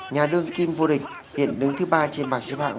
nhà đương kim vô địch hiện đứng thứ ba trên bảng xếp hạng